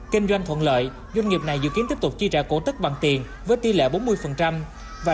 kinh doanh thuận lợi doanh nghiệp này dự kiến tiếp tục chi trả cổ tức bằng tiền với tỷ lệ bốn mươi và